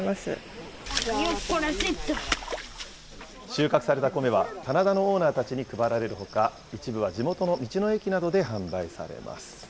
収穫されたコメは棚田のオーナーたちに配られるほか、一部は地元の道の駅などで販売されます。